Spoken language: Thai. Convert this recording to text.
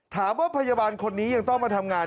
ถามว่าพยาบาลคนนี้ยังต้องมาทำงาน